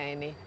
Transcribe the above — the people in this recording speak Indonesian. tapi punya ini